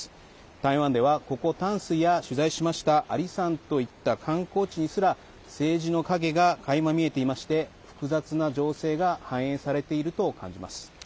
台湾では、ここ淡水や取材しました阿里山といった観光地にすら政治の影がかいま見えていまして複雑な情勢が反映されていると感じます。